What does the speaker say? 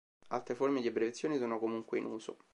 Altre forme di abbreviazione sono comunque in uso.